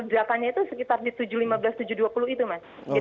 itu sekitar di tujuh lima belas tujuh dua puluh itu mas